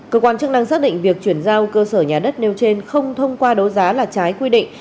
cơ quan chức năng xác định việc chuyển giao cơ sở nhà đất nêu trên không thông qua đấu giá là trái quy định